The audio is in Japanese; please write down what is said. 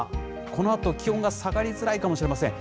このあと気温が下がりづらいかもしれません。